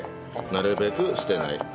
なるべく捨てない。